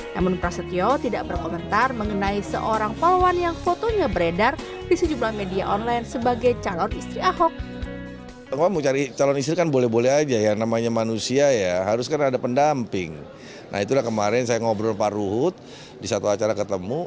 namun prasetyo tidak berkomentar mengenai seorang palwan yang fotonya beredar di sejumlah media online sebagai calon istri ahok